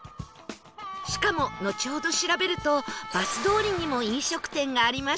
しかものちほど調べるとバス通りにも飲食店がありました